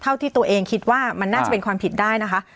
เท่าที่ตัวเองคิดว่ามันน่าจะเป็นความผิดได้นะคะ